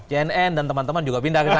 jnn dan teman teman juga pindah ke sana